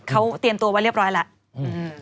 เขาเตรียมตัวว่าเรียบร้อยแล้ว